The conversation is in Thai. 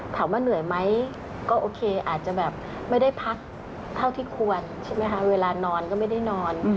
ถามว่าเหนื่อยไหมก็โอเคอาจจะแบบไม่ได้พักเท่าที่ควรใช่ไหมคะเวลานอนก็ไม่ได้นอน